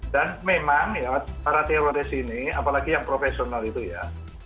memang para teroris ini apalagi yang profesional itu ya